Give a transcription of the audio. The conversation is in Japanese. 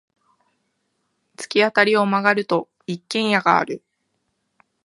突き当たりを曲がると、一軒家がある。